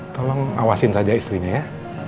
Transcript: tolong awasin saja istrinya ya